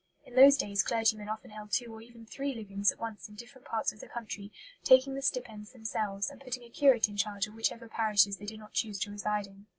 In those days clergymen often held two or even three livings at once in different parts of the country, taking the stipends themselves, and putting a curate in charge of whichever parishes they did not choose to reside in.